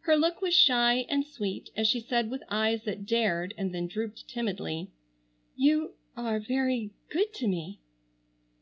Her look was shy and sweet as she said with eyes that dared and then drooped timidly: "You—are—very—good to me!"